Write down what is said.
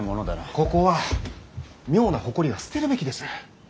ここは妙な誇りは捨てるべきです。